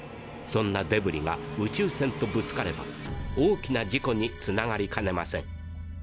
そんなデブリが宇宙船とぶつかれば大きな事故につながりかねません。